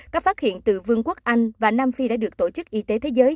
các phát hiện từ vương quốc anh và nam phi đã được tổ chức y tế thế giới